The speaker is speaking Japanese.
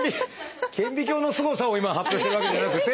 顕微鏡のすごさを今発表してるわけじゃなくて。